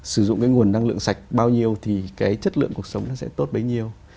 sử dụng cái nguồn năng lượng sạch bao nhiêu thì cái chất lượng cuộc sống nó sẽ tốt bấy nhiêu